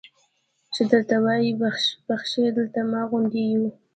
چې درته ویې بخښي دلته ما غوندې یو.